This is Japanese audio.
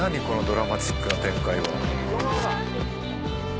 このドラマチックな展開は。